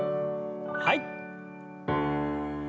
はい。